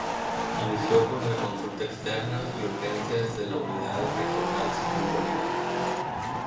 Inició con la consulta externa y urgencias de la Unidad Regional Simón Bolívar.